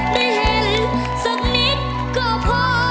ได้เห็นสักนิดก็พอ